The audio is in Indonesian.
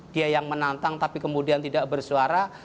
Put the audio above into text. dia yang menantang tapi kemudian tidak bersuara